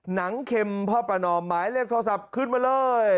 เค็มพ่อประนอมหมายเลขโทรศัพท์ขึ้นมาเลย